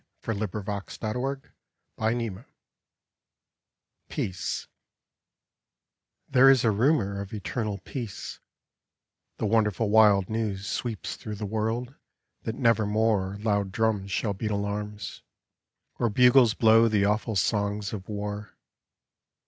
... I was the rain, PEACE nPHERE is a rumor of eternal Peace; •* The wonderful wild news sweeps through the world That nevermore loud drums shall beat alarms, Or bugles blow the awful songs of war.